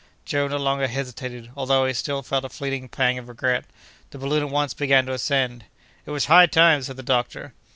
Joe no longer hesitated, although he still felt a fleeting pang of regret. The balloon at once began to ascend. "It was high time!" said the doctor.